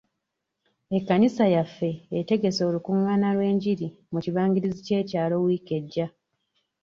Ekkanisa yaffe etegese olukungaana lw'engiri mu kibangirizi ky'ekyalo wiiki ejja.